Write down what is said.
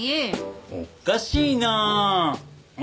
おかしいなあ。